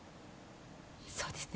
そうですね。